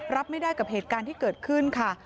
รับไม่ได้กับเหตุการณ์ที่เกิดขึ้นค่ะ